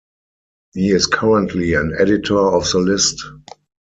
He is currently an editor of the list.